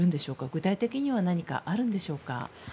具体的には何かあるんでしょうか。